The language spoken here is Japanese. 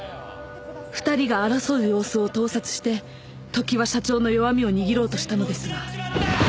２人が争う様子を盗撮して常盤社長の弱みを握ろうとしたのですが。